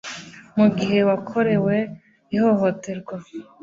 mu gihe wakorewe ihohoterwa